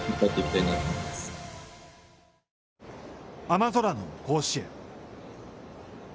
雨空の甲子園。